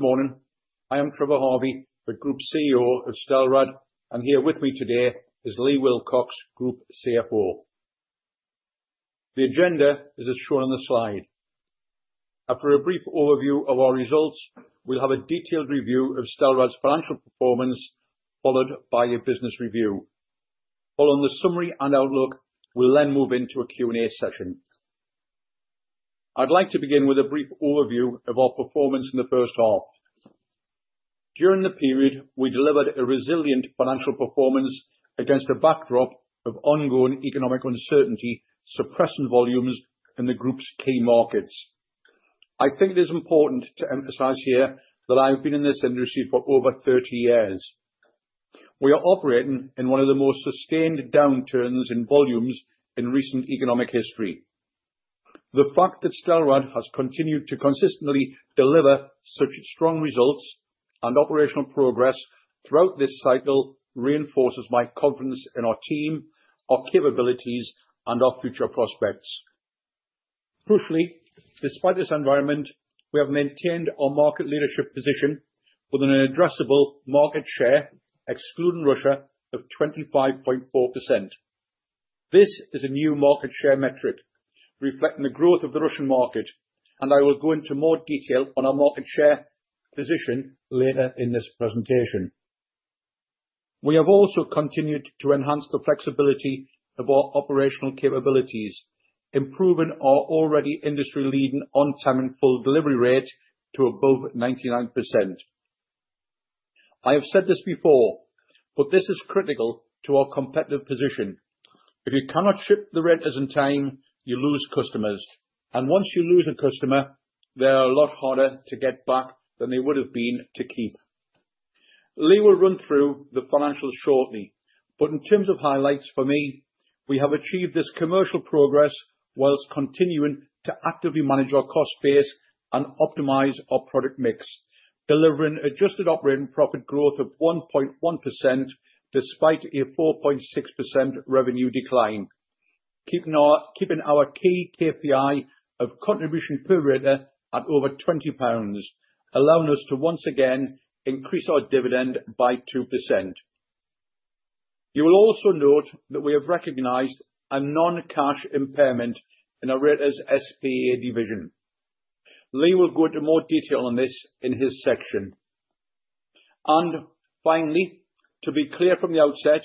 Good morning. I am Trevor Harvey, the Group CEO of Stelrad, and here with me today is Leigh Wilcox, Group CFO. The agenda is as shown on the slide. After a brief overview of our results, we'll have a detailed review of Stelrad's financial performance, followed by a business review. Following the summary and outlook, we'll then move into a Q&A session. I'd like to begin with a brief overview of our performance in the first half. During the period, we delivered a resilient financial performance against a backdrop of ongoing economic uncertainty suppressing volumes in the Group's key markets. I think it is important to emphasize here that I have been in this industry for over 30 years. We are operating in one of the most sustained downturns in volumes in recent economic history. The fact that Stelrad has continued to consistently deliver such strong results and operational progress throughout this cycle reinforces my confidence in our team, our capabilities, and our future prospects. Crucially, despite this environment, we have maintained our market leadership position with an addressable market share, excluding Russia, of 25.4%. This is a new market share metric reflecting the growth of the Russian market, and I will go into more detail on our market share position later in this presentation. We have also continued to enhance the flexibility of our operational capabilities, improving our already industry-leading on-time and full delivery rate to above 99%. I have said this before, but this is critical to our competitive position. If you cannot ship the rate as in time, you lose customers, and once you lose a customer, they are a lot harder to get back than they would have been to keep. Leigh will run through the financials shortly, but in terms of highlights for me, we have achieved this commercial progress whilst continuing to actively manage our cost spares and optimize our product mix, delivering adjusted operating profit growth of 1.1% despite a 4.6% revenue decline, keeping our key KPI of contribution per radiator at over 20 pounds, allowing us to once again increase our dividend by 2%. You will also note that we have recognized a non-cash impairment in our SPA division. Leigh will go into more detail on this in his section. To be clear from the outset,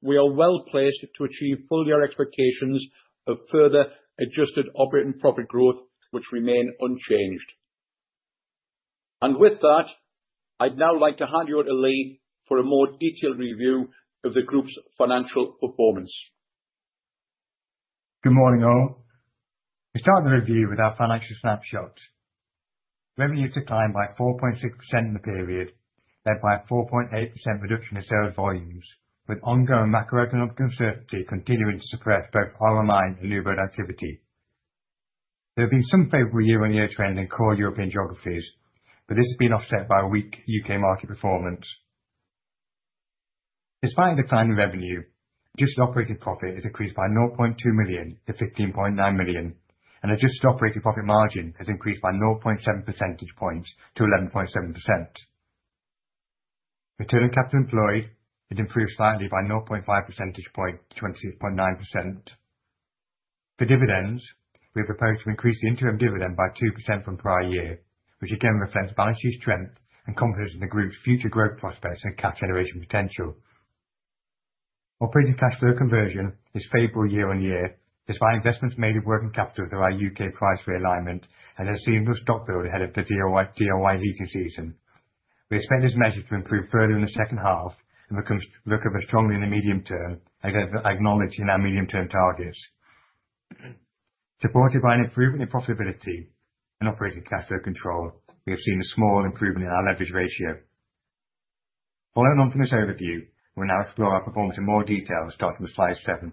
we are well placed to achieve full-year expectations of further adjusted operating profit growth, which remain unchanged. With that, I'd now like to hand you over to Leigh for a more detailed review of the Group's financial performance. Good morning, all. We start the review with our financial snapshot. Revenue declined by 4.6% in the period, led by a 4.8% reduction in sales volumes, with ongoing macroeconomic uncertainty continuing to suppress both RMI and new build activity. There have been some favorable year-on-year trends in core European geographies, but this has been offset by a weak U.K. market performance. Despite a decline in revenue, adjusted operating profit has increased by 0.2 million to 15.9 million, and the adjusted operating profit margin has increased by 0.7 percentage points to 11.7%. Return on capital employed has improved slightly by 0.5 percentage point to 26.9%. For dividends, we propose to increase the interim dividend by 2% from prior year, which again reflects balance sheet strength and confidence in the Group's future growth prospects and cash generation potential. Operating cash flow conversion is favorable year-on-year, despite investments made in working capital that are U.K. price realignment and a seasonal stock build ahead of the DIY heating season. We expect this measure to improve further in the second half and become stronger in the medium term, as I've acknowledged in our medium-term targets. Supported by an improvement in profitability and operating cash flow control, we have seen a small improvement in our leverage ratio. Following on from this overview, we'll now explore our performance in more detail, starting with slide seven.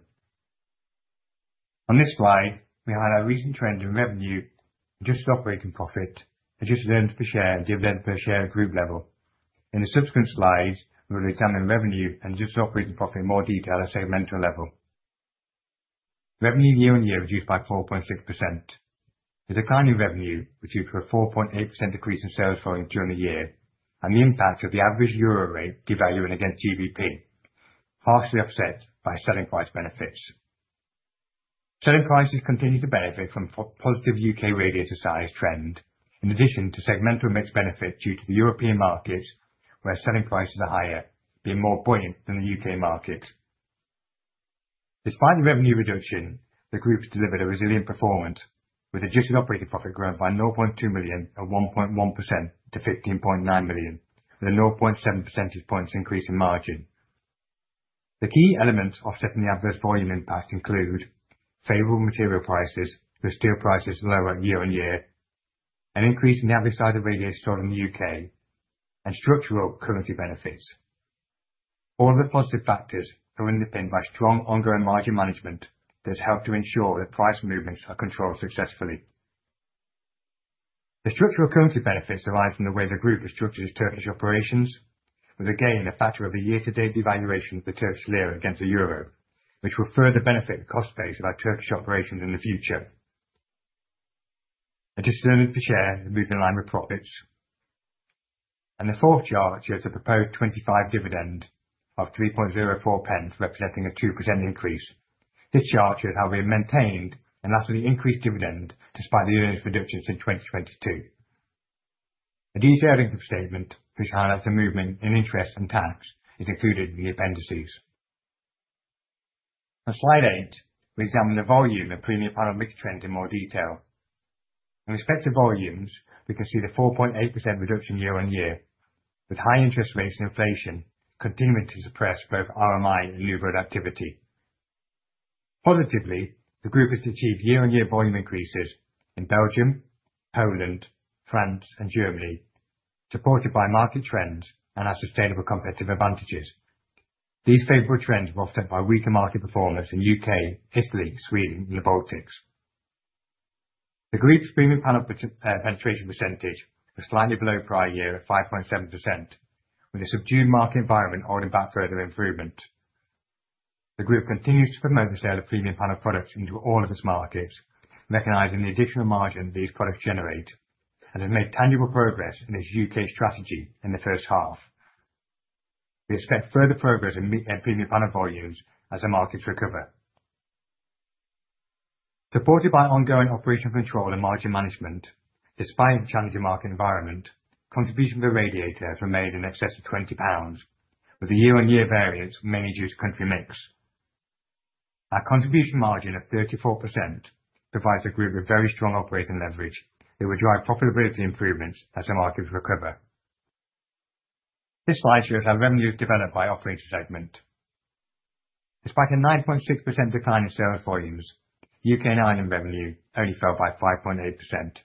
On this slide, we highlight recent trends in revenue, adjusted operating profit, adjusted earnings per share, and dividend per share at group level. In the subsequent slides, we will examine revenue and adjusted operating profit in more detail at a segmental level. Revenue year-on-year reduced by 4.6%. The decline in revenue was due to a 4.8% decrease in sales volume during the year and the impact of the average euro rate devaluing against GBP, partially offset by selling price benefits. Selling prices continue to benefit from a positive U.K. radiator size trend, in addition to segmental mix benefit due to the European markets, where selling prices are higher, being more buoyant than the U.K. markets. Despite the revenue reduction, the Group has delivered a resilient performance, with adjusted operating profit growing by 0.2 million at 1.1% to 15.9 million, with a 0.7 percentage points increase in margin. The key elements offsetting the adverse volume impact include favorable material prices, with steel prices lower year-on-year, an increase in the average size of radiator sold in the U.K., and structural currency benefits. All of the positive factors are underpinned by strong ongoing margin management that has helped to ensure that price movements are controlled successfully. The structural currency benefits arise from the way the Group has structured its Turkish operations, with again a factor of a year-to-date devaluation of the Turkish lira against the euro, which will further benefit the cost base of our Turkish operations in the future. Adjusted earnings per share has moved in line with profits. The fourth chart shows a proposed interim dividend of 0.0304, representing a 2% increase. This chart shows how we have maintained an ultimately increased dividend despite the earnings reductions in 2022. A detailed income statement, which highlights the movement in interest and tax, is included in the appendices. On slide eight, we examine the volume of premium panel mix trend in more detail. In respect to volumes, we can see the 4.8% reduction year-on-year, with high interest rates and inflation continuing to suppress both RMI and new build activity. Positively, the Group has achieved year-on-year volume increases in Belgium, Poland, France, and Germany, supported by market trends and our sustainable competitive advantages. These favorable trends were offset by weaker market performance in the U.K., Italy, Sweden, and the Baltics. The Group's premium panel penetration percentage was slightly below prior year at 5.7%, with a subdued market environment holding back further improvement. The Group continues to promote the sale of premium panel products into all of its markets, recognizing the additional margin these products generate, and has made tangible progress in its U.K. strategy in the first half. We expect further progress in premium panel volumes as the markets recover. Supported by ongoing operational control and margin management, despite a challenging market environment, contributions to the radiator have remained in excess of 20 pounds, with a year-on-year variance mainly due to country mix. Our contribution margin of 34% provides the Group a very strong operating leverage that will drive profitability improvements as the markets recover. This slide shows how revenue has developed by operating segment. Despite a 9.6% decline in sales volumes, U.K. and Ireland revenue only fell by 5.8%.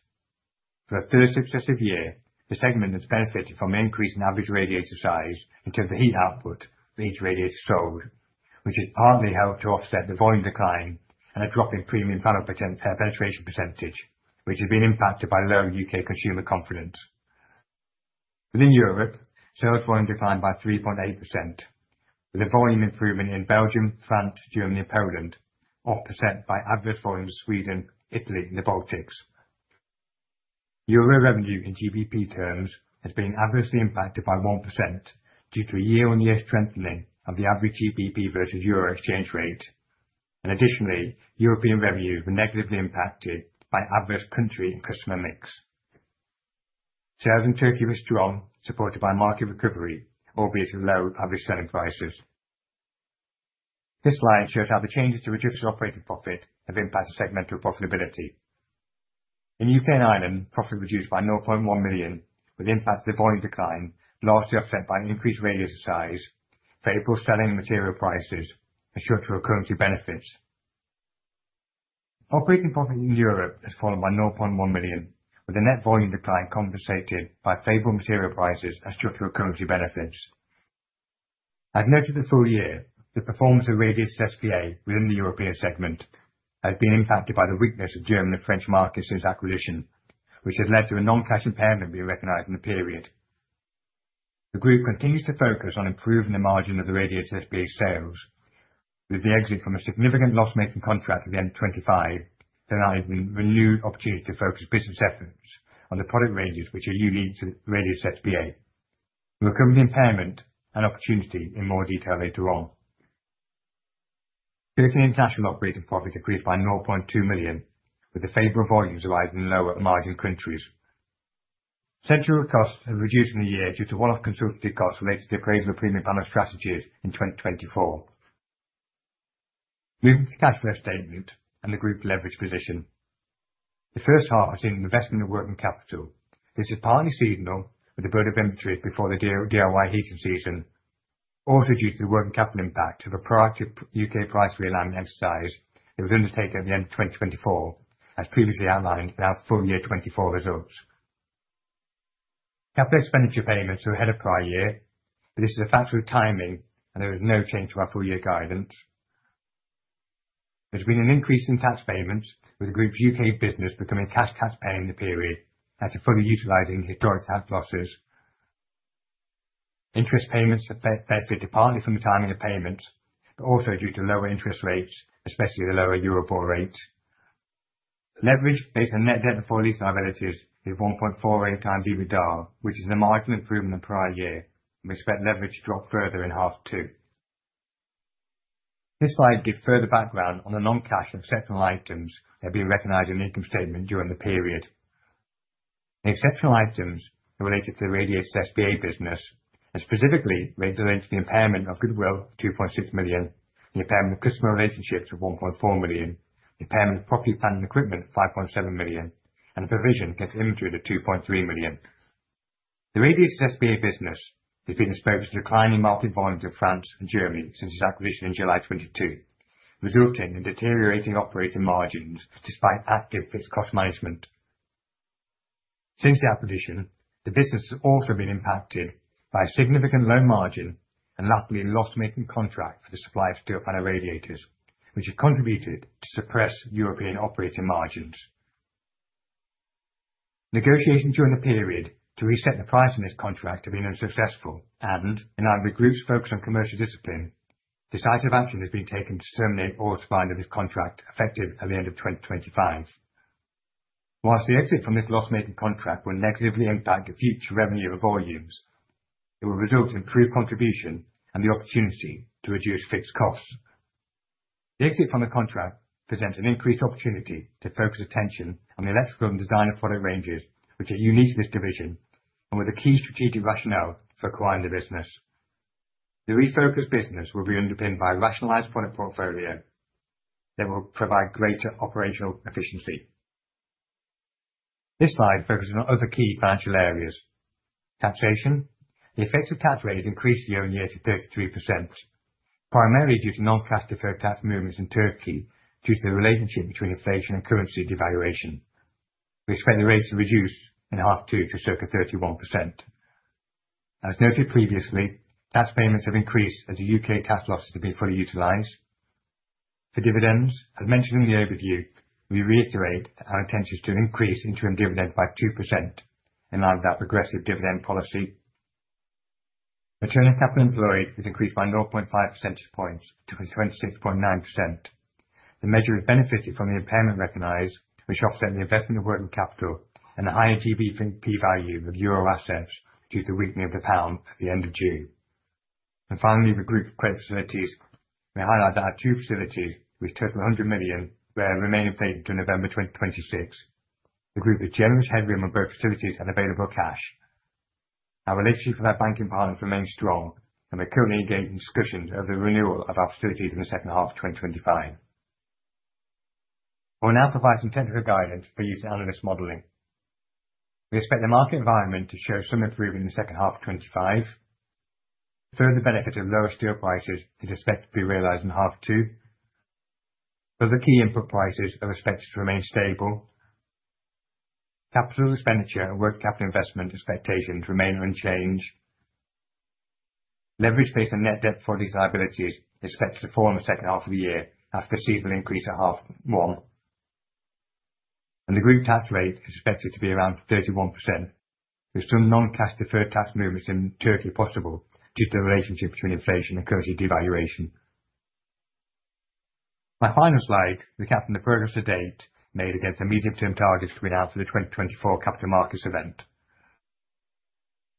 For the first successive year, the segment has benefited from an increase in average radiator size because of the heat output for each radiator sold, which has partly helped to offset the volume decline and a drop in premium panel penetration percentage, which has been impacted by low U.K. consumer confidence. Within Europe, sales volume declined by 3.8%, with a volume improvement in Belgium, France, Germany, and Poland, 8% by adverse volume in Sweden, Italy, and the Baltics. Euro revenue in GBP terms has been adversely impacted by 1% due to a year-on-year strengthening of the average GBP versus euro exchange rate. Additionally, European revenue was negatively impacted by adverse country and customer mix. Sales in Turkey were strong, supported by market recovery, albeit with low average selling prices. This slide shows how the changes to reduce operating profit have impacted segmental profitability. In U.K. and Ireland, profit reduced by 0.1 million, with impacts of volume decline largely offset by an increased radiator size, favorable selling and material prices, and structural currency benefits. Operating profit in Europe has fallen by 0.1 million, with a net volume decline compensated by favorable material prices and structural currency benefits. I've noted the full year the performance of radiators SPA within the European segment has been impacted by the weakness of German and French markets since acquisition, which has led to a non-cash impairment being recognized in the period. The Group continues to focus on improving the margin of the radiators SPA sales, with the exit from a significant loss-making contract with M25 denying them renewed opportunities to focus business efforts on the product ranges which are unique to radiators SPA. The recurring impairment and opportunity in more detail later on. European international operating profit increased by 0.2 million, with the favorable volumes arising lower in lower margin countries. Central costs have reduced in the year due to one-off consultancy costs related to the appraisal of premium panel strategies in 2024. Moving to the cash flow statement and the Group's leverage position. The first half has seen investment in working capital. This is partly seasonal, with a build of inventories before the DIY heating season, also due to the working capital impact of a prior U.K. price realignment exercise that was undertaken at the end of 2024, as previously outlined in our full year 2024 results. Capital expenditure payments are ahead of prior year, but this is a factor of timing and there is no change to our full year guidance. There's been an increase in tax payments, with the Group's U.K. business becoming a cash tax payer in the period after fully utilizing historic tax losses. Interest payments have benefited partly from the timing of payments, but also due to lower interest rates, especially the lower Euribor rate. Leverage based on net debt and for lease liabilities is 1.48x EBITDA, which is a marginal improvement on prior year, and we expect leverage to drop further in half two. This slide gives further background on the non-cash exceptional items that have been recognized in the income statement during the period. The exceptional items are related to the radiators SPA business, and specifically relate to the impairment of goodwill 2.6 million, the impairment of customer relationships of 1.4 million, the impairment of property, plant, and equipment 5.7 million, and the provision against inventory of 2.3 million. The radiators SPA business has been exposed to declining market volumes in France and Germany since its acquisition in July 2022, resulting in deteriorating operating margins despite active fixed cost management. Since the acquisition, the business has also been impacted by a significant low margin and utterly loss-making contract for the supply of steel panel radiators, which have contributed to suppressed European operating margins. Negotiations during the period to reset the price on this contract have been unsuccessful, and in light of the Group's focus on commercial discipline, decisive action has been taken to terminate all supply under this contract effective at the end of 2025. Whilst the exit from this loss-making contract will negatively impact the future revenue of volumes, it will result in improved contribution and the opportunity to reduce fixed costs. The exit from the contract presents an increased opportunity to focus attention on the electrical and designer product ranges, which are unique to this division and were the key strategic rationale for acquiring the business. The refocused business will be underpinned by a rationalized product portfolio that will provide greater operational efficiency. This slide focuses on other key financial areas. Taxation, the effects of tax rates increased year-on-year to 33%, primarily due to non-cash deferred tax movements in Turkey due to the relationship between inflation and currency devaluation. We expect the rates to reduce in half two to circa 31%. As noted previously, tax payments have increased as the U.K. tax losses have been fully utilized. For dividends, as mentioned in the overview, we reiterate that our intent is to increase interim dividend by 2% in light of that regressive dividend policy. Returning capital employed has increased by 0.5 percentage points to 26.9%. The measure has benefited from the impairment recognized, which offset the investment of working capital and the higher GBP value of euro assets due to the weakening of the pound at the end of June. Finally, the Group's credit facilities, we highlight that our two facilities, with a total of 100 million, remain in place until November 2026. The Group has generous headroom on both facilities and available cash. Our relationship with our banking partners remains strong, and we're currently engaged in discussions over the renewal of our facilities in the second half of 2025. We'll now provide some technical guidance for use in analyst modeling. We expect the market environment to show some improvement in the second half of 2025. Further benefits of lower steel prices are expected to be realized in half two. Other key input prices are expected to remain stable. Capital expenditure and working capital investment expectations remain unchanged. Leverage based on net debt and for lease liabilities is expected to fall in the second half of the year after a seasonal increase of half one. The Group tax rate is expected to be around 31%, with some non-cash deferred tax movements in Turkey possible due to the relationship between inflation and currency devaluation. My final slide recaps the progress to date made against the medium-term targets we announced for the 2024 capital markets event.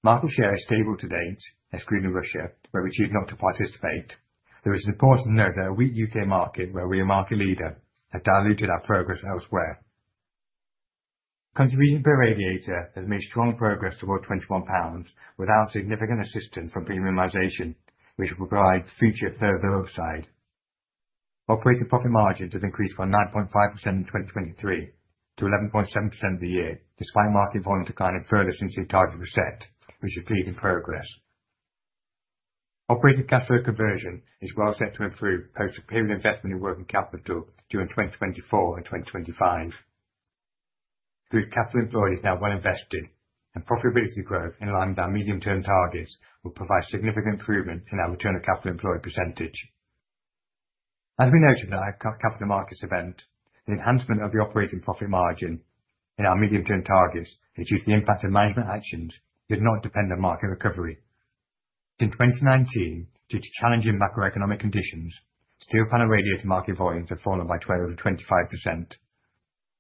Market share is stable to date as green in Russia, where we choose not to participate. Though it's important to note that a weak U.K. market, where we are market leader, has diluted our progress elsewhere. Contributions per radiator have made strong progress towards 21 pounds without significant assistance from premiumization, which will provide future further upside. Operating profit margin has increased by 9.5% in 2023 to 11.7% a year, despite market volume decline and further since the target was set, which is a pleasing progress. Operating cash flow conversion is well set to improve post-period investment in working capital during 2024 and 2025. Good capital employed is now well invested, and profitability growth in line with our medium-term targets will provide significant improvement in our return on capital employed percentage. As we noted in our capital markets event, the enhancement of the operating profit margin in our medium-term targets has reduced the impact of management actions that do not depend on market recovery. Since 2019, due to challenging macroeconomic conditions, steel panel radiator market volumes have fallen by 12%-25%.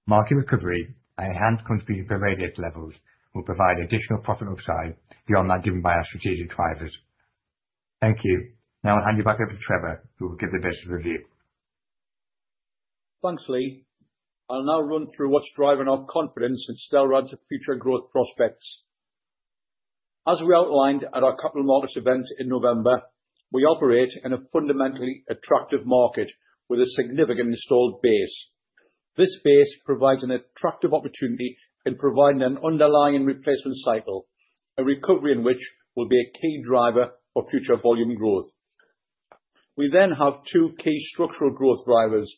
Market recovery and enhanced contribution per radiator levels will provide additional profit upside beyond that given by our strategic drivers. Thank you. Now I'll hand you back over to Trevor, who will give the business review. Thanks, Leigh. I'll now run through what's driving our confidence in Stelrad's future growth prospects. As we outlined at our capital markets event in November, we operate in a fundamentally attractive market with a significant installed base. This base provides an attractive opportunity in providing an underlying replacement cycle, a recovery in which will be a key driver for future volume growth. We then have two key structural growth drivers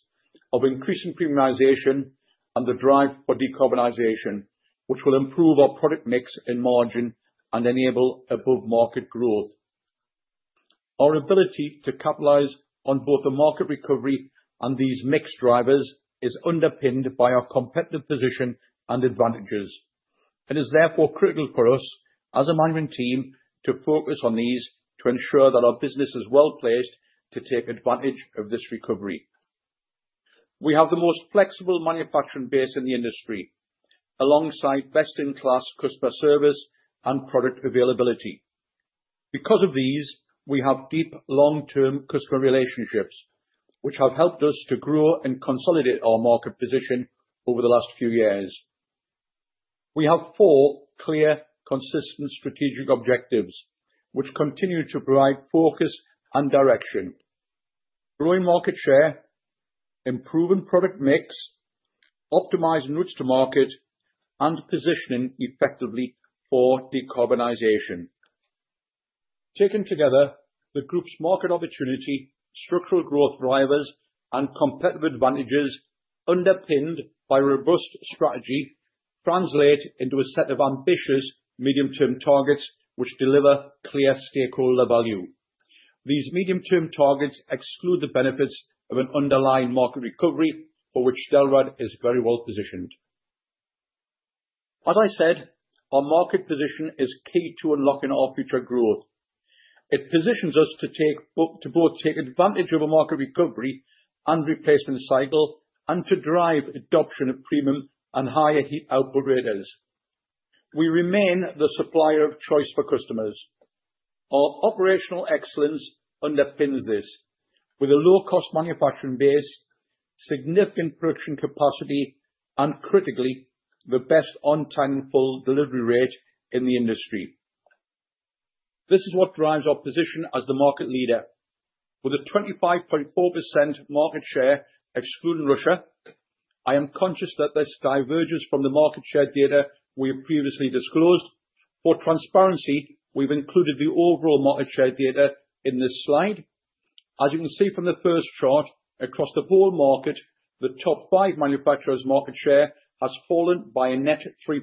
of increasing premiumization and the drive for decarbonization, which will improve our product mix in margin and enable above-market growth. Our ability to capitalize on both the market recovery and these mix drivers is underpinned by our competitive position and advantages. It is therefore critical for us as a management team to focus on these to ensure that our business is well placed to take advantage of this recovery. We have the most flexible manufacturing base in the industry, alongside best-in-class customer service and product availability. Because of these, we have deep long-term customer relationships, which have helped us to grow and consolidate our market position over the last few years. We have four clear, consistent strategic objectives, which continue to provide focus and direction: growing market share, improving product mix, optimizing routes to market, and positioning effectively for decarbonization. Taken together, the Group's market opportunity, structural growth drivers, and competitive advantages, underpinned by a robust strategy, translate into a set of ambitious medium-term targets which deliver clear stakeholder value. These medium-term targets exclude the benefits of an underlying market recovery for which Stelrad is very well positioned. As I said, our market position is key to unlocking our future growth. It positions us to take both advantage of a market recovery and replacement cycle, and to drive adoption of premium and higher heat output radiators. We remain the supplier of choice for customers. Our operational excellence underpins this, with a low-cost manufacturing base, significant production capacity, and critically, the best on-time and full delivery rate in the industry. This is what drives our position as the market leader. With a 25.4% market share, excluding Russia, I am conscious that this diverges from the market share data we have previously disclosed. For transparency, we've included the overall market share data in this slide. As you can see from the first chart, across the whole market, the top five manufacturers' market share has fallen by a net 3%.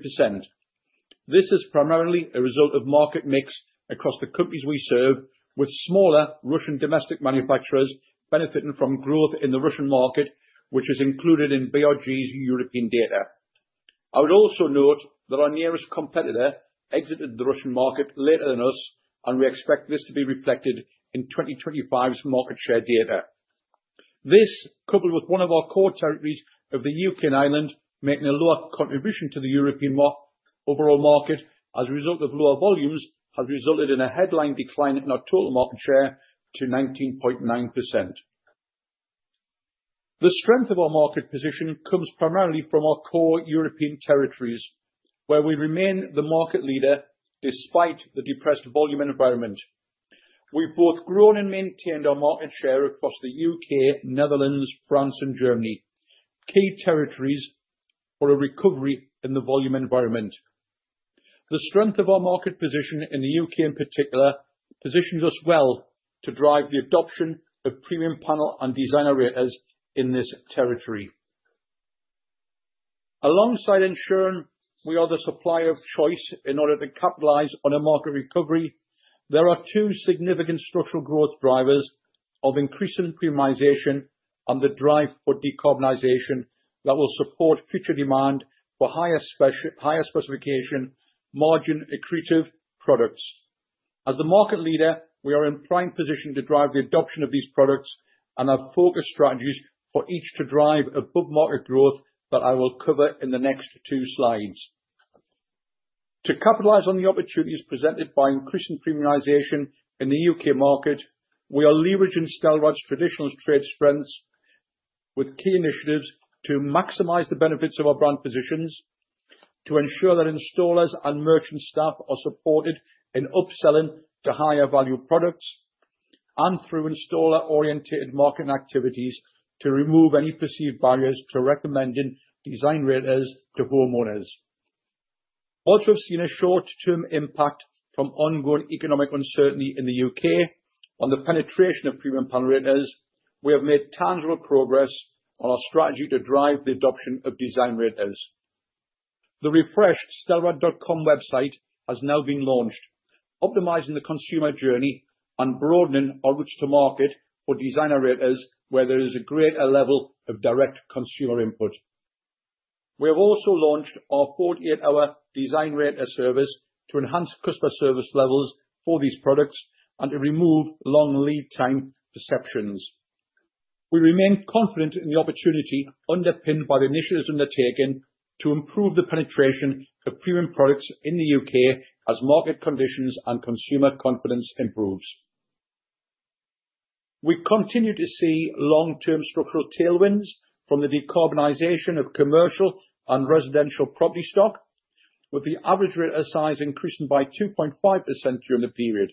This is primarily a result of market mix across the countries we serve, with smaller Russian domestic manufacturers benefiting from growth in the Russian market, which is included in BRG's European data. I would also note that our nearest competitor exited the Russian market later than us, and we expect this to be reflected in 2025's market share data. This, coupled with one of our core territories of the U.K. and Ireland making a lower contribution to the European market overall as a result of lower volumes, has resulted in a headline decline in our total market share to 19.9%. The strength of our market position comes primarily from our core European territories, where we remain the market leader despite the depressed volume environment. We've both grown and maintained our market share across the U.K., Netherlands, France, and Germany, key territories for a recovery in the volume environment. The strength of our market position in the U.K. in particular positions us well to drive the adoption of premium panel and designer radiators in this territory. Alongside ensuring we are the supplier of choice in order to capitalize on a market recovery, there are two significant structural growth drivers of increasing premiumization and the drive for decarbonization that will support future demand for higher specification, margin-accretive products. As the market leader, we are in a prime position to drive the adoption of these products and have focused strategies for each to drive above-market growth that I will cover in the next two slides. To capitalize on the opportunities presented by increasing premiumization in the U.K. market, we are leveraging Stelrad's traditional trade strengths with key initiatives to maximize the benefits of our brand positions, to ensure that installers and merchant staff are supported in upselling to higher-value products, and through installer-oriented marketing activities to remove any perceived barriers to recommending designer radiators to homeowners. Whilst we've seen a short-term impact from ongoing economic uncertainty in the U.K. on the penetration of premium panel radiators, we have made tangible progress on our strategy to drive the adoption of designer radiators. The refreshed stelrad.com website has now been launched, optimizing the consumer journey and broadening our routes to market for designer radiators where there is a greater level of direct consumer input. We have also launched our 48-hour designer radiator service to enhance customer service levels for these products and to remove long lead time perceptions. We remain confident in the opportunity underpinned by the initiatives undertaken to improve the penetration of premium products in the U.K. as market conditions and consumer confidence improve. We continue to see long-term structural tailwinds from the decarbonization of commercial and residential property stock, with the average radiator size increasing by 2.5% during the period.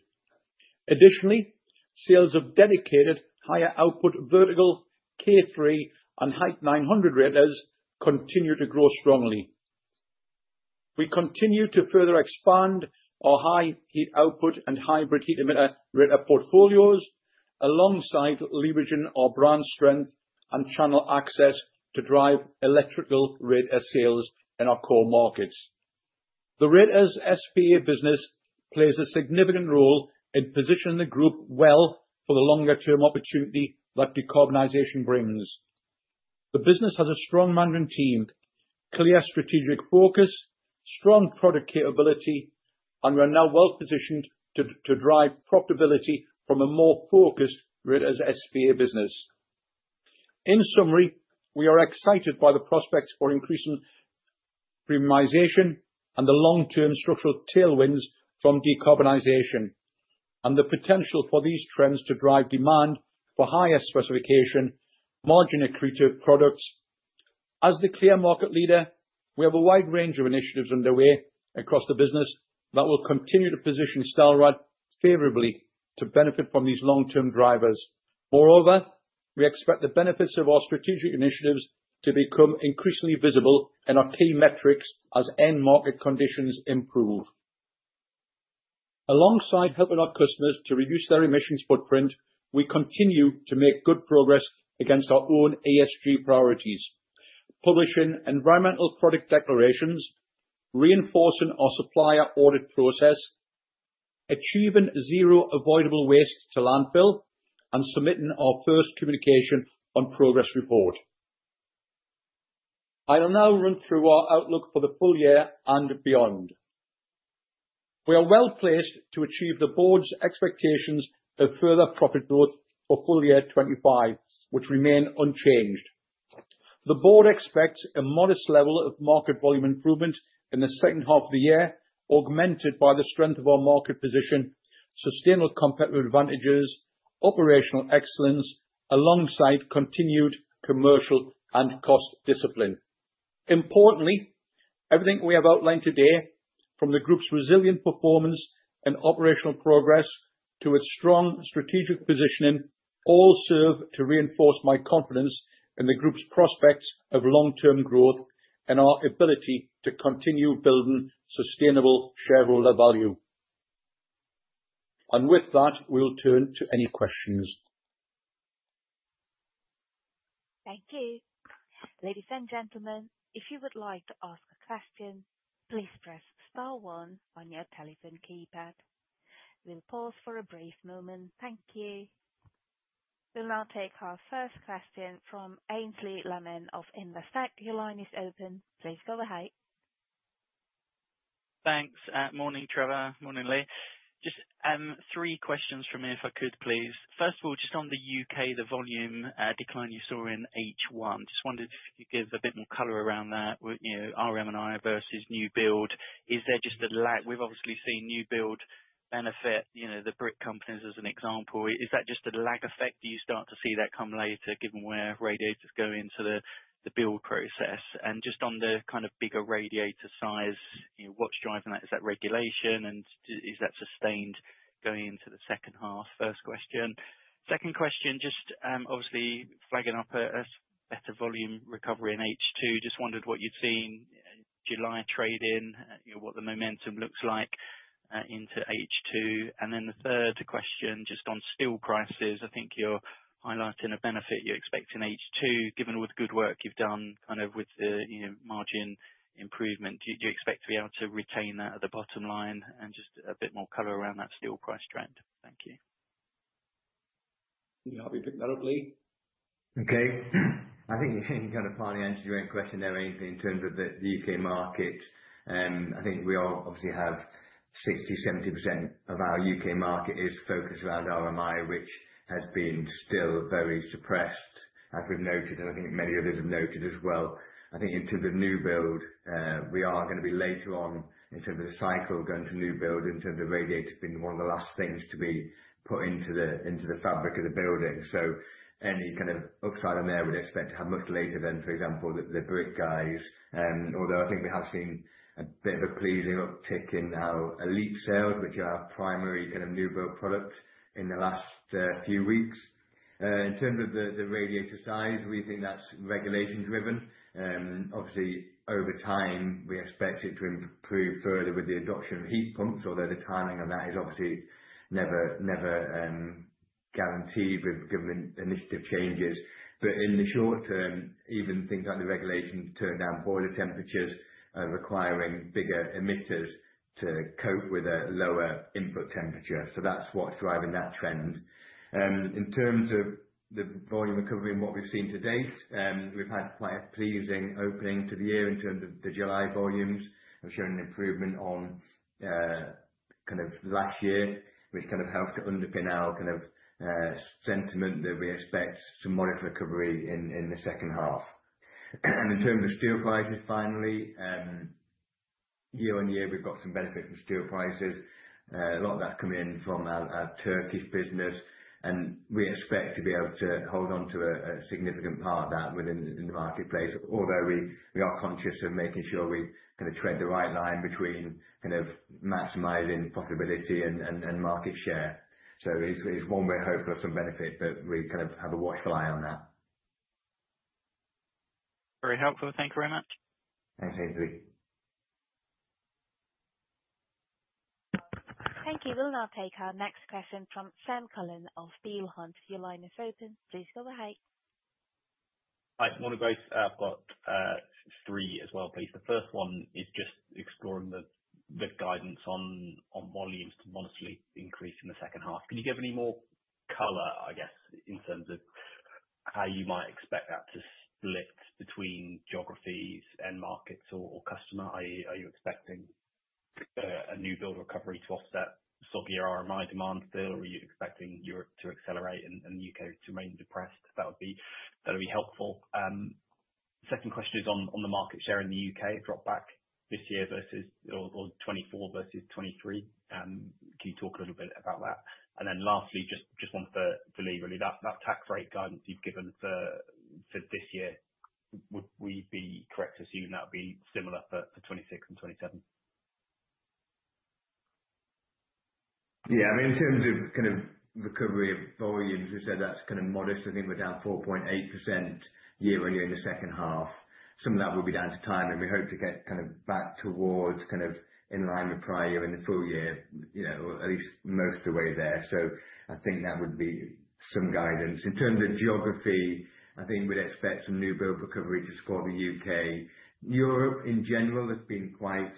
Additionally, sales of dedicated higher output vertical K3 and height 900 radiators continue to grow strongly. We continue to further expand our high heat output and hybrid heat emitter radiator portfolios, alongside leveraging our brand strength and channel access to drive electric radiator sales in our core markets. The SPA business plays a significant role in positioning the Group well for the longer-term opportunity that decarbonization brings. The business has a strong management team, clear strategic focus, strong product capability, and we are now well positioned to drive profitability from a more focused SPA business. In summary, we are excited by the prospects for increasing premiumization and the long-term structural tailwinds from decarbonization and the potential for these trends to drive demand for higher specification, margin accretive products. As the clear market leader, we have a wide range of initiatives underway across the business that will continue to position Stelrad favorably to benefit from these long-term drivers. Moreover, we expect the benefits of our strategic initiatives to become increasingly visible in our key metrics as end market conditions improve. Alongside helping our customers to reduce their emissions footprint, we continue to make good progress against our own ASG priorities, publishing environmental product declarations, reinforcing our supplier audit process, achieving zero avoidable waste to landfill, and submitting our first communication on progress report. I will now run through our outlook for the full year and beyond. We are well placed to achieve the board's expectations of further profit growth for full year 2025, which remain unchanged. The board expects a modest level of market volume improvement in the second half of the year, augmented by the strength of our market position, sustainable competitive advantages, operational excellence, alongside continued commercial and cost discipline. Importantly, everything we have outlined today, from the Group's resilient performance and operational progress to its strong strategic positioning, all serve to reinforce my confidence in the Group's prospects of long-term growth and our ability to continue building sustainable shareholder value. With that, we'll turn to any questions. Thank you. Ladies and gentlemen, if you would like to ask a question, please press star one on your telephone keypad. We'll pause for a brief moment. Thank you. We'll now take our first question from Aynsley Lammin of Investec. Your line is open. Please go ahead. Thanks. Morning, Trevor. Morning, Leigh. Just three questions from me, if I could, please. First of all, just on the U.K., the volume decline you saw in H1, just wondered if you could give a bit more color around that. You know, RM&I versus New Build, is there just a lag? We've obviously seen New Build benefit, you know, the brick companies as an example. Is that just a lag effect? Do you start to see that come later, given where radiators go into the build process? Just on the kind of bigger radiator size, you know, what's driving that? Is that regulation and is that sustained going into the second half? First question. Second question, just obviously flagging up a better volume recovery in H2. Just wondered what you'd seen in July trading, you know, what the momentum looks like, into H2. The third question, just on steel prices, I think you're highlighting a benefit you expect in H2, given all the good work you've done with the margin improvement. Do you expect to be able to retain that at the bottom line? Just a bit more color around that steel price trend. Thank you. Yeah, I'll be picking that up, Leigh. Okay. I think you kind of partly answered your own question there, Aensley, in terms of the U.K. market. I think we all obviously have 60%-70% of our U.K. market focused around RMI, which has been still very suppressed, as we've noted, and I think many others have noted as well. I think in terms of New Build, we are going to be later on in terms of the cycle going to New Build in terms of radiator being one of the last things to be put into the fabric of the building. Any kind of upside on there we'd expect to have much later than, for example, the brick guys. Although I think we have seen a bit of a pleasing uptick in our Elite sales, which are our primary kind of New Build product in the last few weeks. In terms of the radiator side, we think that's regulation-driven. Obviously, over time, we expect it to improve further with the adoption of heat pumps, although the timing on that is obviously never, never guaranteed given the initiative changes. In the short term, even things like the regulation to turn down boiler temperatures are requiring bigger emitters to cope with a lower input temperature. That's what's driving that trend. In terms of the volume recovery and what we've seen to date, we've had quite a pleasing opening to the year in terms of the July volumes showing an improvement on last year, which helped to underpin our sentiment that we expect some modest recovery in the second half. In terms of steel prices, finally, year-on-year, we've got some benefits from steel prices. A lot of that coming in from our Turkish business, and we expect to be able to hold on to a significant part of that within the marketplace, although we are conscious of making sure we tread the right line between maximizing profitability and market share. It's one way of hoping for some benefit, but we have a watchful eye on that. Very helpful. Thank you very much. Thanks, Aynsley. Thank you. We'll now take our next question from Sam Cullen of Peel Hunt. Your line is open. Please go ahead. Hi. Morning both. I've got three as well, please. The first one is just exploring the guidance on volumes to modestly increase in the second half. Can you give any more color, I guess, in terms of how you might expect that to split between geographies and markets or customer? Are you expecting a New Build recovery to offset sub-year RMI demand still, or are you expecting Europe to accelerate and the U.K. to remain depressed? That would be helpful. The second question is on the market share in the U.K. dropped back this year versus 2024 versus 2023. Can you talk a little bit about that? Lastly, just one for Leigh, really, that tax rate guidance you've given for this year, would we be correct to assume that would be similar for 2026 and 2027? Yeah, I mean, in terms of kind of recovery of volumes, we said that's kind of modest. I think we're down 4.8% year-on-year in the second half. Some of that will be down to time, and we hope to get kind of back towards kind of in line with prior year in the full year, you know, or at least most of the way there. I think that would be some guidance. In terms of geography, I think we'd expect some New Build recovery to support the U.K.. Europe in general, it's been quite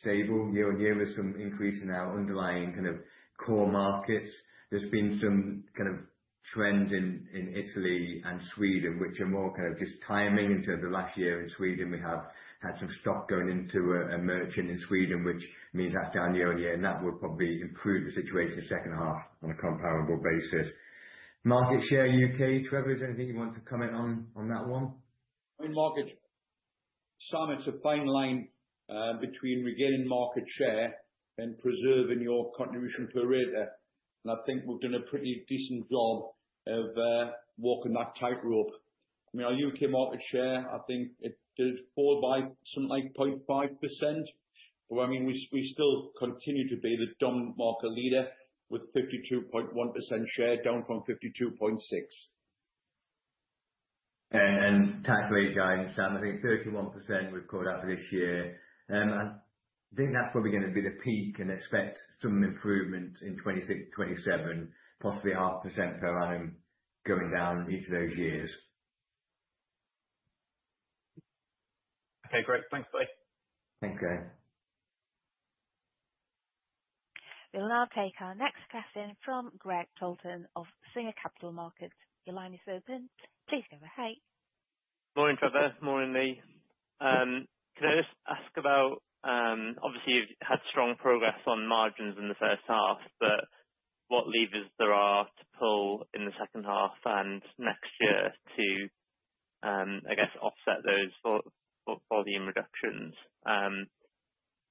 stable year-on-year with some increase in our underlying kind of core markets. There's been some kind of trends in Italy and Sweden, which are more kind of just timing in terms of last year in Sweden, we have had some stock going into a merchant in Sweden, which means that's down year-on-year, and that will probably improve the situation in the second half on a comparable basis. Market share U.K., Trevor, is there anything you want to comment on on that one? I mean, market summits are a fine line between regaining market share and preserving your contribution per radiator. I think we've done a pretty decent job of walking that tightrope. Our U.K. market share, I think it did fall by something like 0.5%, but we still continue to be the dominant market leader with 52.1% share, down from 52.6%. Tax rate guidance, Sam, I think 31% we've caught up for this year. I think that's probably going to be the peak and expect some improvement in 2026, 2027, possibly half a percent per annum going down each of those years. Okay, great. Thanks, Leigh. Thanks, Sam. We'll now take our next question from Greg Poulton of Singer Capital Markets. Your line is open. Please go ahead. Morning, Trevor. Morning, Leigh. Can I just ask about, obviously, you've had strong progress on margins in the first half, but what levers there are to pull in the second half and next year to, I guess, offset those volume reductions?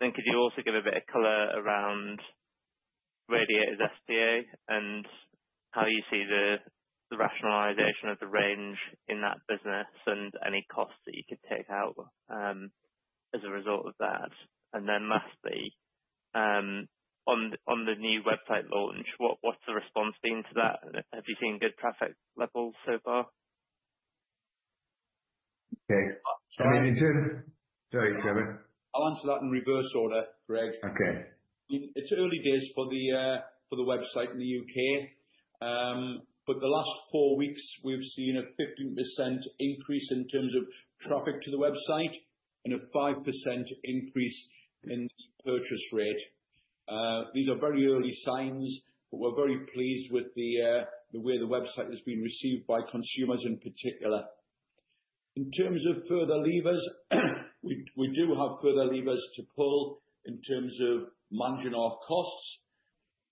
Could you also give a bit of color around radiators' SPA and how you see the rationalization of the range in that business and any costs that you could take out as a result of that? Lastly, on the new website launch, what's the response been to that? Have you seen good traffic levels so far? Okay. Sorry, Leigh. Sorry, Trevor. I'll answer that in reverse order, Greg. Okay. It's early days for the website in the U.K., but the last four weeks, we've seen a 15% increase in terms of traffic to the website and a 5% increase in purchase rate. These are very early signs, but we're very pleased with the way the website has been received by consumers in particular. In terms of further levers, we do have further levers to pull in terms of managing our costs.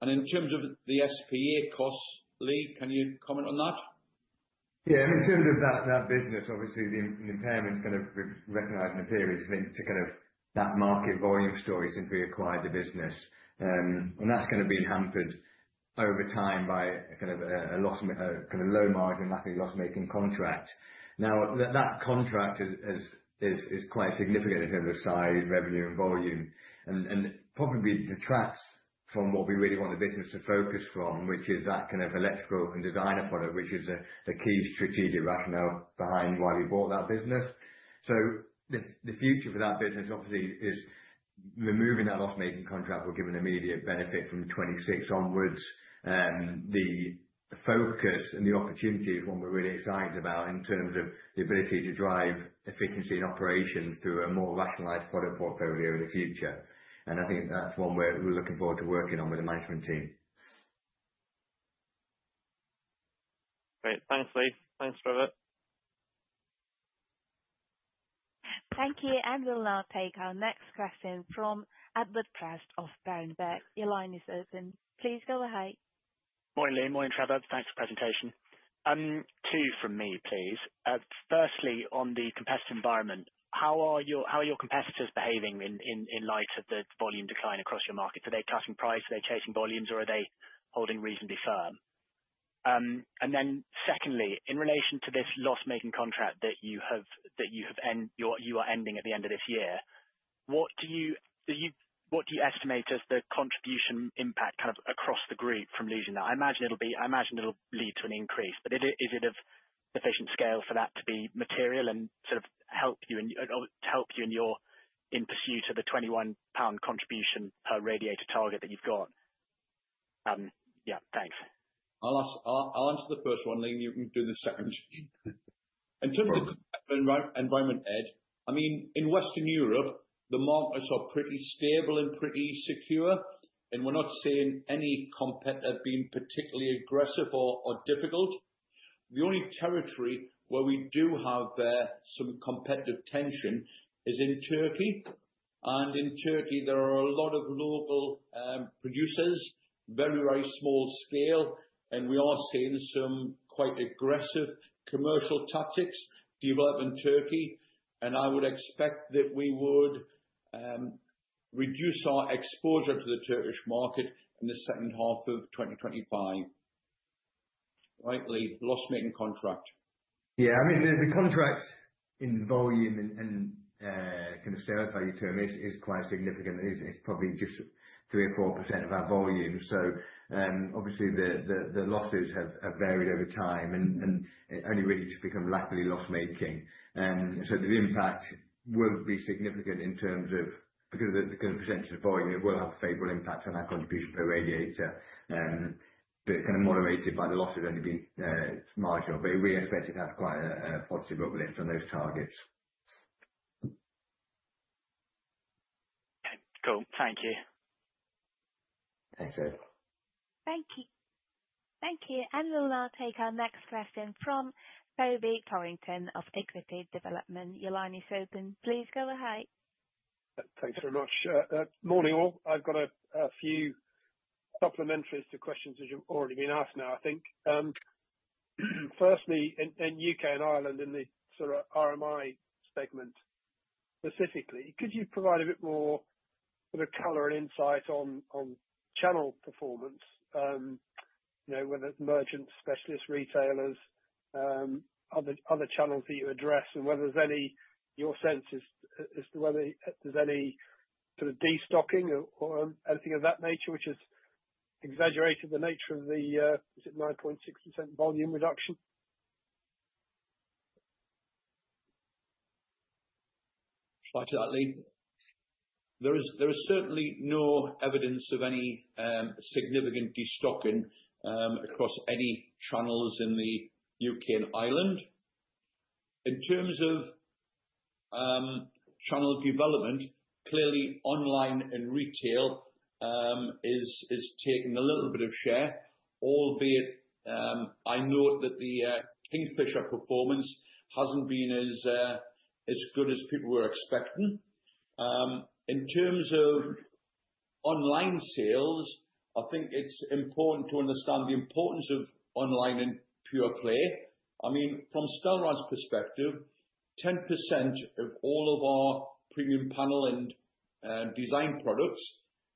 In terms of the SPA costs, Leigh, can you comment on that? Yeah, and in terms of that business, obviously, the impairment's recognized in the period has been to that market volume story since we acquired the business. That's going to be hampered over time by a loss of low margin and likely loss-making contracts. Now, that contract is quite significant in terms of size, revenue, and volume, and probably detracts from what we really want the business to focus on, which is that electrical and designer product, which is the key strategic rationale behind why we bought that business. The future for that business obviously is removing that loss-making contract, giving an immediate benefit from 2026 onwards. The focus and the opportunity is one we're really excited about in terms of the ability to drive efficiency in operations through a more rationalized product portfolio in the future. I think that's one we're looking forward to working on with the management team. Great. Thanks, Leigh. Thanks, Trevor. Thank you. We'll now take our next question from Edward Prest of Berenberg. Your line is open. Please go ahead. Morning, Leigh. Morning, Trevor. Thanks for the presentation. Two from me, please. Firstly, on the competitive environment, how are your competitors behaving in light of the volume decline across your markets? Are they cutting price? Are they chasing volumes, or are they holding reasonably firm? Secondly, in relation to this loss-making contract that you are ending at the end of this year, what do you estimate as the contribution impact kind of across the group from losing that? I imagine it'll lead to an increase, but is it of sufficient scale for that to be material and sort of help you in your pursuit of the 21 pound contribution per radiator target that you've got? Yeah, thanks. I'll answer the first one, Leigh, and you can do the second. In terms of environment, Ed, in Western Europe, the markets are pretty stable and pretty secure, and we're not seeing any competitors being particularly aggressive or difficult. The only territory where we do have some competitive tension is in Turkey. In Turkey, there are a lot of local producers, very, very small scale, and we are seeing some quite aggressive commercial tactics develop in Turkey. I would expect that we would reduce our exposure to the Turkish market in the second half of 2025. Right, Leigh, the loss-making contract. Yeah, I mean, the contract in volume and, kind of share value term is quite significant. It's probably just 3% or 4% of our volume. Obviously, the losses have varied over time and only really to become rapidly loss-making. The impact will be significant in terms of, because of the kind of percentage of volume, it will have favorable impacts on our contribution per radiator. Kind of motivated by the loss, it'd only be marginal. We expect to have quite a positive overlap on those targets. Thank you. Thanks, Leigh. Thank you. Thank you. We'll now take our next question from Toby Thorrington of Equity Development. Your line is open. Please go ahead. Thanks very much. Morning all. I've got a few supplementaries to questions that have already been asked now, I think. Firstly, in U.K. and Ireland, in the sort of RMI segment specifically, could you provide a bit more sort of color and insight on channel performance? You know, whether it's merchants, specialists, retailers, other channels that you address, and whether your sense is whether there's any sort of destocking or anything of that nature, which has exaggerated the nature of the, is it 9.6% volume reduction? Sorry to add, Leigh. There is certainly no evidence of any significant destocking across any channels in the U.K. and Ireland. In terms of channel development, clearly online and retail has taken a little bit of share, albeit I note that the Kingfisher performance hasn't been as good as people were expecting. In terms of online sales, I think it's important to understand the importance of online and pure play. I mean, from Stelrad's perspective, 10% of all of our premium panel and designer products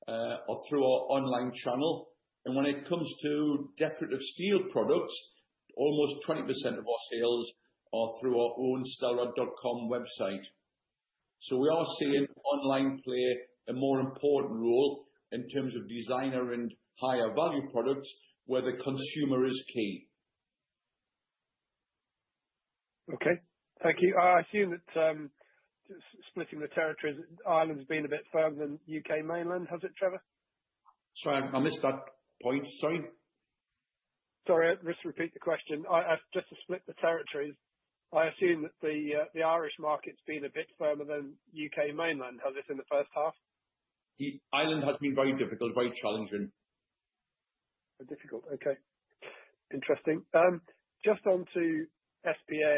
are through our online channel. When it comes to decorative steel products, almost 20% of our sales are through our own stelrad.com website. We are seeing online play a more important role in terms of designer and higher-value products where the consumer is key. Okay. Thank you. I assume that splitting the territories in Ireland has been a bit further than U.K. mainland, has it, Trevor? Sorry. I missed that point. Just to repeat the question, just to split the territories, I assume that the Irish market's been a bit firmer than U.K. mainland, has it, in the first half? Ireland has been very difficult, very challenging. Difficult. Okay. Interesting. Just onto SPA,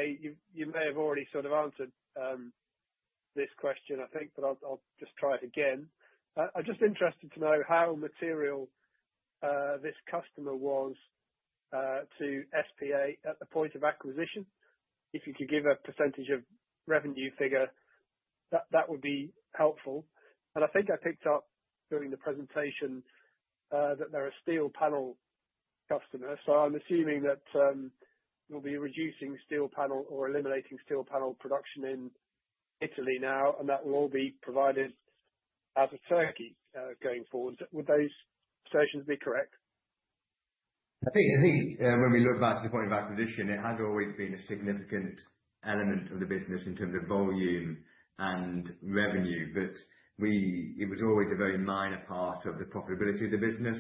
you may have already sort of answered this question, I think, but I'll just try it again. I'm just interested to know how material this customer was to SPA at the point of acquisition. If you could give a percentage of revenue figure, that would be helpful. I think I picked up during the presentation that there are steel panel customers. I'm assuming that we'll be reducing steel panel or eliminating steel panel production in Italy now, and that will all be provided out of Turkey going forward. Would those assertions be correct? I think when we look back to the point of acquisition, it has always been a significant element of the business in terms of volume and revenue, but it was always a very minor part of the profitability of the business.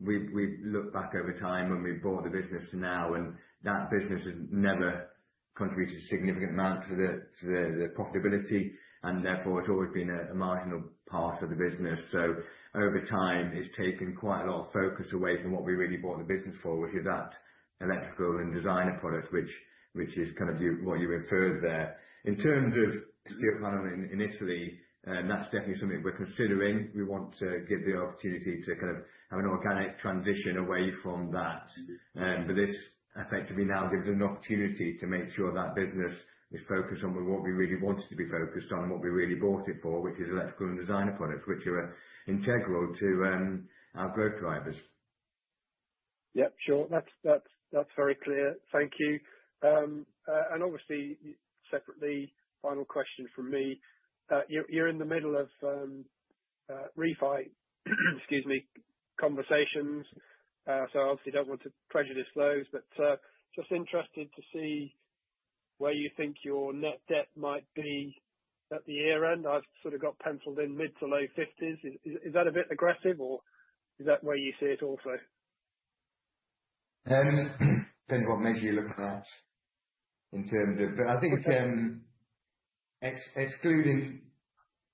We've looked back over time when we bought the business to now, and that business has never contributed a significant amount to the profitability, and therefore, it's always been a marginal part of the business. Over time, it's taken quite a lot of focus away from what we really bought the business for, which is that electrical and designer product, which is kind of what you referred there. In terms of steel panel in Italy, that's definitely something we're considering. We want to give the opportunity to have an organic transition away from that. This effectively now gives an opportunity to make sure that business is focused on what we really want it to be focused on and what we really bought it for, which is electrical and designer products, which are integral to our growth drivers. Yep. Sure. That's very clear. Thank you. Obviously, separately, final question from me. You're in the middle of refined conversations. I obviously don't want to prejudice those, but just interested to see where you think your net debt might be at the year end. I've sort of got penciled in mid to low 50 million. Is that a bit aggressive, or is that where you see it also? It depends what makes you look at that in terms of I think it's excluding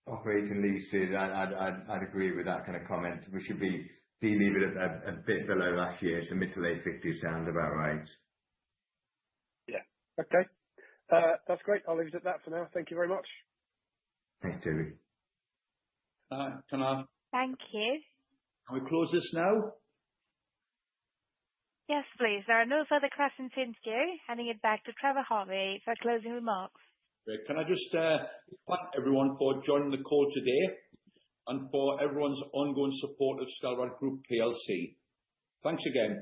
operating leases. I'd agree with that kind of comment. We should be leaving it a bit below actually. Mid to late 50s sounds about right. Yeah. Okay, that's great. I'll leave it at that for now. Thank you very much. Thank you, Leigh. Thank you. Can I? Thank you. Can we close this now? Yes, please. There are no further questions in queue. Handing it back to Trevor Harvey for closing remarks. Great. Can I just thank everyone for joining the call today and for everyone's ongoing support of Stelrad Group PLC? Thanks again.